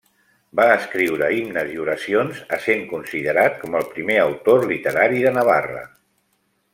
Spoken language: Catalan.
Va escriure himnes i oracions, essent considerat com el primer autor literari de Navarra.